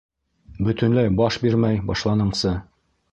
Бөтөнләй баш бирмәй башланыңсы.